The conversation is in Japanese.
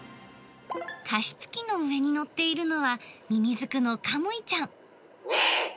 加湿器の上に乗っているのは、ミミズクの神威ちゃん。